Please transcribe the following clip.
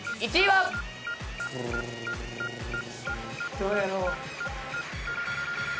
どうやろ？